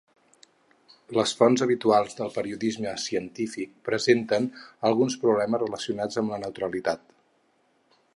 Les fonts habituals del periodisme científic presenten alguns problemes relacionats amb la neutralitat.